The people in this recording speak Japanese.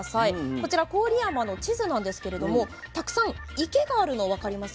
こちら郡山の地図なんですけれどもたくさん池があるの分かりますでしょうか。